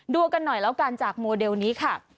ดูกันหน่อยแล้วกันจากโมเดลนี้ค่ะ